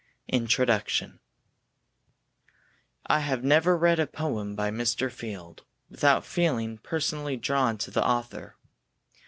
E.F. INTRODUCTION I have never read a poem by Mr. Field without feeling personally drawn to the author.